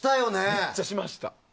めっちゃしました。